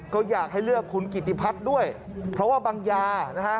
ก็อยากให้เลือกคุณกิติพัฒน์ด้วยเพราะว่าบางยานะฮะ